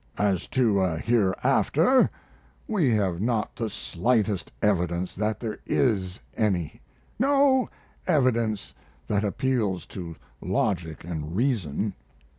As to a hereafter, we have not the slightest evidence that there is any no evidence that appeals to logic and reason.